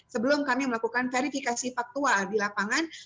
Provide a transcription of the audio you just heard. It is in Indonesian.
sebelum kami melakukan verifikasi faktual di lapangan